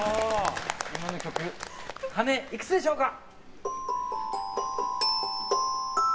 今の曲鐘いくつでしょうか？